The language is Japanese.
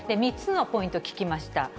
３つのポイント聞きました。